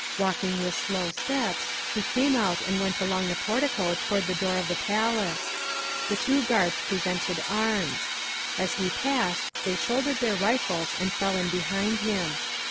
Walking with slow steps, he came out and went along the portico toward the door of the palace. The two guards presented arms. As he passed they shouldered their rifles and fell in behind him.